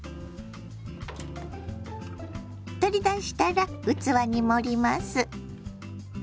取り出したら器に盛ります。